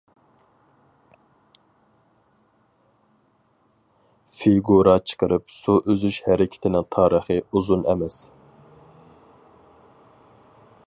فىگۇرا چىقىرىپ سۇ ئۈزۈش ھەرىكىتىنىڭ تارىخى ئۇزۇن ئەمەس.